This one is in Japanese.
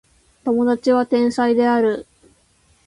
友達は天才である